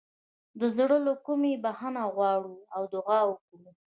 د زړه له کومې بخښنه وغواړو او دعا وکړو.